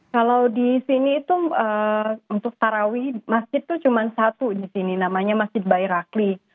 kalau di sini itu untuk tarawih masjid itu cuma satu di sini namanya masjid bairaqli